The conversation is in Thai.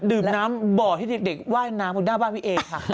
ดื่มน้ำบ่อให้เด็กว่ายน้ำบนหน้าบ้านพี่เอค่ะ